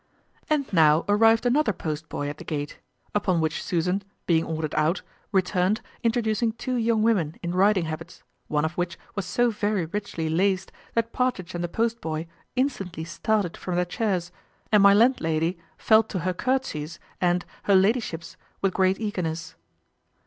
And now arrived another post boy at the gate; upon which Susan, being ordered out, returned, introducing two young women in riding habits, one of which was so very richly laced, that Partridge and the post boy instantly started from their chairs, and my landlady fell to her courtsies, and her ladyships, with great eagerness.